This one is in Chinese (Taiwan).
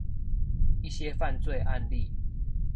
一些犯罪案例